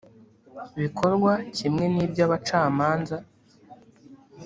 bikorwa kimwe n’iby’abacamanza